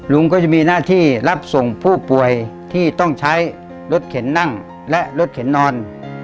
ลุงก็จะมีหน้าที่รับส่งผู้ป่วยที่ต้องใช้รถเข็นนั่งและรถเข็นนอน